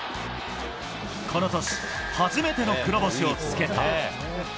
この年、初めての黒星をつけた。